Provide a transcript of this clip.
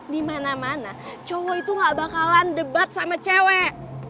dimana mana cowok itu gak bakalan debat sama cewek